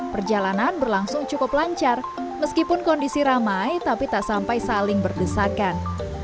perjalanan berlangsung cukup lancar meskipun kondisi ramai tapi tak sampai saling berdesakan